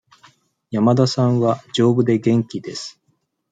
山田さんは丈夫で元気です。